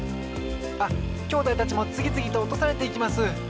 あっきょうだいたちもつぎつぎとおとされていきます！